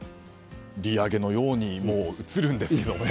利上げのようにも映るんですけどね。